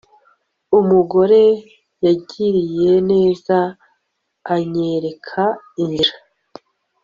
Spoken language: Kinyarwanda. Umugore yangiriye neza anyereka inzira